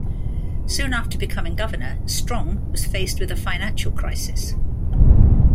Soon after becoming governor, Strong was faced with a financial crisis.